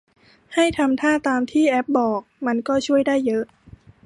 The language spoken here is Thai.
ให้ทำท่าตามที่แอปบอก มันก็ช่วยได้เยอะ